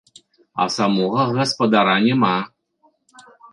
А самога гаспадара няма.